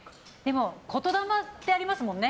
言霊ってありますもんね。